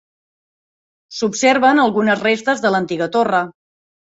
S'observen algunes restes de l'antiga torre.